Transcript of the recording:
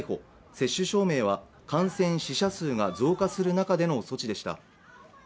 接種証明は感染・死者数が増加する中での措置でした。